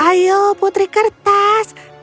ayo putri kertas